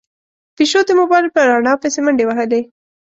پيشو د موبايل په رڼا پسې منډې وهلې.